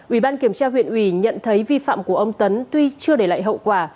ủy ban kiểm tra huyện ủy nhận thấy vi phạm của ông tấn tuy chưa để lại hậu quả